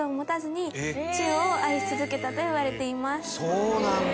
そうなんだ。